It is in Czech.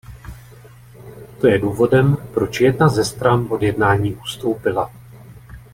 To je důvodem, proč jedna ze stran od jednání ustoupila.